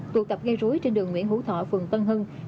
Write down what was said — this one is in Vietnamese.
tụ tập gây rối trên đường nguyễn hữu thọ phường tân hưng